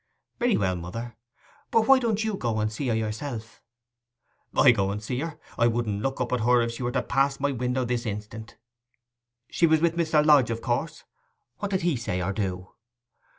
'Very well, mother. But why don't you go and see for yourself?' 'I go to see her! I wouldn't look up at her if she were to pass my window this instant. She was with Mr. Lodge, of course. What did he say or do?